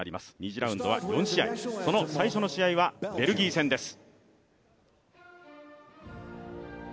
２次ラウンドは４試合、この最初の試合はベルギー戦です。